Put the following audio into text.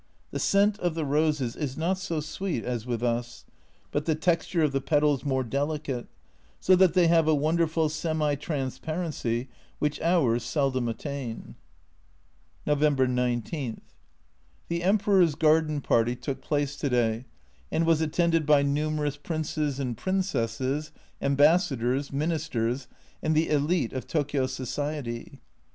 The scent of the roses is not so sweet as with us, but the texture of the petals more delicate, so that they have a wonderful semi transparency, which ours seldom attain. 68 A Journal from Japan November 19. The Emperor's garden party took place to day, and was attended by numerous Princes and Princesses, Ambassadors, Ministers and the "elite of Tokio Society."